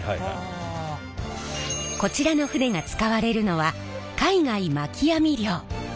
こちらの船が使われるのは海外まき網漁。